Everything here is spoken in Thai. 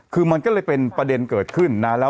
คือมันก็เลยเป็นประเด็นเกิดขึ้นนะ